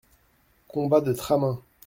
Combat de Tramin.